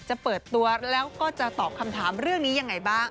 จะเปิดตัวแล้วก็จะตอบคำถามเรื่องนี้ยังไงบ้าง